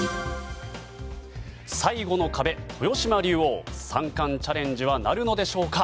最後の壁、豊島竜王三冠チャレンジはなるのでしょうか。